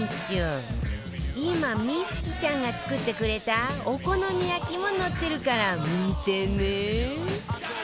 今充希ちゃんが作ってくれたお好み焼きも載ってるから見てね！